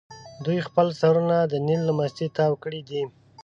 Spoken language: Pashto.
دوی خپل سرونه د نیل له مستۍ تاو کړي دي.